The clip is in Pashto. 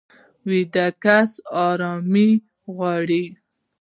ویده کس ارامي غواړي